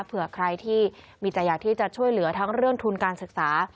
เผื่อใครที่มีใจอยากที่จะช่วยเหลือทั้งเรื่องทุนการศึกษา